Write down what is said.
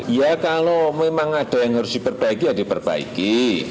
ya kalau memang ada yang harus diperbaiki ya diperbaiki